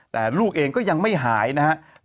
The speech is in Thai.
แต่ลูกเองก็ยังไม่หายนะครับ